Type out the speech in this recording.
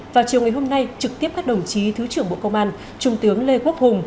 vào chiều ngày hôm nay trực tiếp các đồng chí thứ trưởng bộ công an trung tướng lê quốc hùng